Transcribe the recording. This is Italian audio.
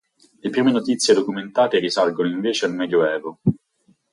Le prime notizie documentate risalgono, invece, al medioevo.